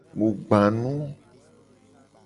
Mu gba nu.